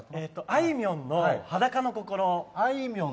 あいみょんの「裸の心」。